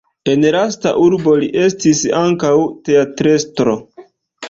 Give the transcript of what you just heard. En la lasta urbo li estis ankaŭ teatrestro.